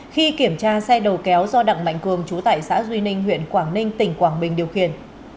khi kiểm tra xe đầu kéo do đặng mạnh cường chú tại xã duy ninh huyện quảng ninh tỉnh quảng bình điều khiển